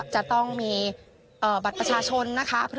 จะต้องมีบัตรประชาชนนะคะ